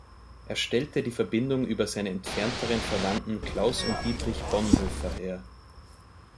Er stellte die Verbindung über seine entfernteren Verwandten Klaus und Dietrich Bonhoeffer her.